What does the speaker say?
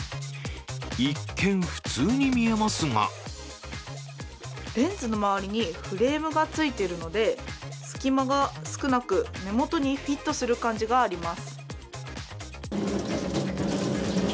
一見、普通に見えますがレンズの周りにフレームがついているので、隙間が少なく、目元にフィットする感じがあります。